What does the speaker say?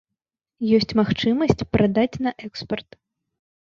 Ёсць магчымасць прадаць на экспарт.